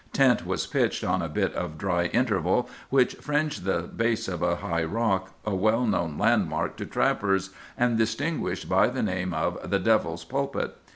Tent was pitched on a bit of dry interval which fringed the base of a high rock, a well known landmark to trappers, and distinguished by the name of 'The Devil's Pulpit.